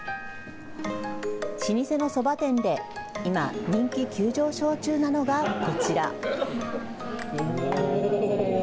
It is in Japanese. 老舗のそば店で今、人気急上昇中なのがこちら。